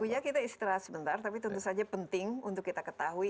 buya kita istirahat sebentar tapi tentu saja penting untuk kita ketahui